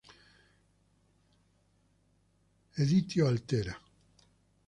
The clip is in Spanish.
Editio Altera".